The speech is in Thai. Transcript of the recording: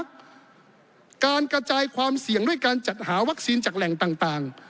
การกระจายความเสี่ยงด้วยการจัดหาวัคซีนจากแหล่งต่าง